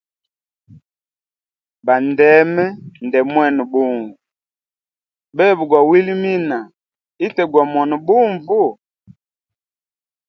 Bandeme nde mwene bunvu, bebe gwa wilimina ite gwa mona bunvu.